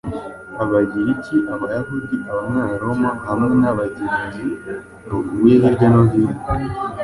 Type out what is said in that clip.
Abagiriki, Abayahudi, Abanyaroma hamwe n’abagenzi bavuye hirya no hino